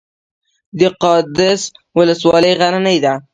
د قادس ولسوالۍ غرنۍ ده